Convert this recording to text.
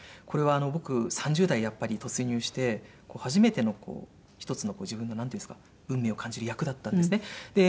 これは僕３０代にやっぱり突入して初めての１つの自分のなんていうんですか運命を感じる役だったんですね。